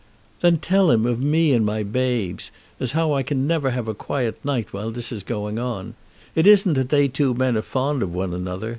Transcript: "Then tell him of me and my babes, as how I can never have a quiet night while this is going on. It isn't that they two men are fond of one another.